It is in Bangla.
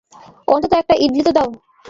অন্তত একটা ইডলি তো দাও।